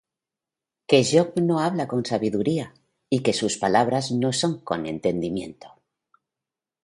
Que Job no habla con sabiduría, Y que sus palabras no son con entendimiento.